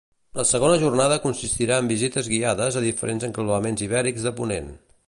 La segona jornada consistirà en visites guiades a diferents enclavaments ibèrics de Ponent.